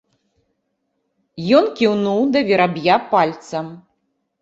Ён кіўнуў да вераб'я пальцам.